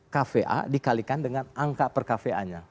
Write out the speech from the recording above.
kva dikalikan dengan angka per kva nya